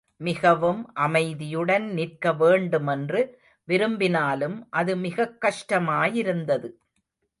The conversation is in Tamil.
மிகவும் அமைதியுடன் நிற்க வேண்டுமென்று விரும்பினாலும் அது மிகக் கஷ்டமாயிருந்தது.